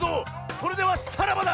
それではさらばだ！